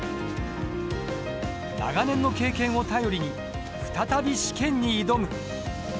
長年の経験を頼りに再び試験に挑む。